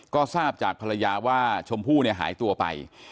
ก็ทราบจากภรรยาว่าชมพู่หายตัวไป